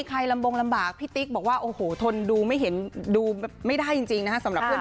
ใครลำบงลำบากพี่ติ๊กบอกว่าโอ้โหทนดูไม่เห็นดูไม่ได้จริงนะฮะ